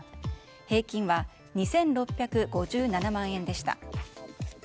平均は２６５７万円でした。